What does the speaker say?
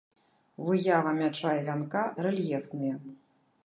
Выява мяча і вянка рэльефныя.